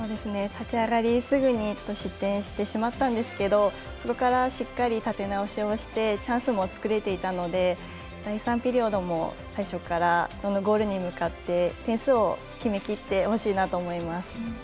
立ち上がりすぐに失点してしまったんですけどそこからしっかり立て直しをしてチャンスも作れていたので第３ピリオドも最初からゴールに向かって点数を決めきってほしいなと思います。